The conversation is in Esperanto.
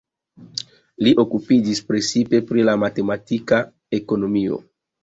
Li okupiĝis precipe pri la matematika ekonomio.